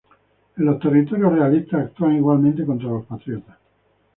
En los territorios realistas actúan igualmente contra los patriotas.